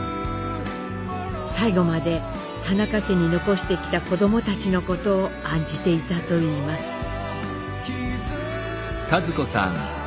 最期まで田中家に残してきた子どもたちのことを案じていたといいます。